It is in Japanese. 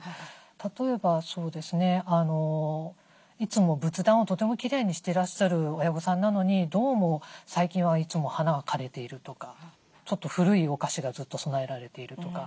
例えばそうですねいつも仏壇をとてもきれいにしてらっしゃる親御さんなのにどうも最近はいつも花が枯れているとかちょっと古いお菓子がずっと供えられているとか。